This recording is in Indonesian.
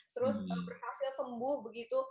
terus berhasil sembuh begitu